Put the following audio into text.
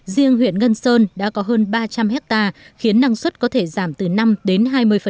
riêng huyện ngân sơn đã có hơn ba trăm linh hectare khiến năng suất có thể giảm từ năm đến hai mươi